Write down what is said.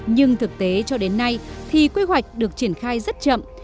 nhưng thực tế cho đến nay thì quy hoạch được triển khai rất chậm